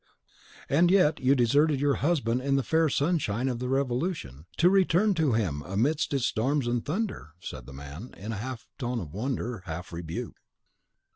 "And yet you deserted your husband in the fair sunshine of the Revolution, to return to him amidst its storms and thunder," said the man, in a tone half of wonder, half rebuke.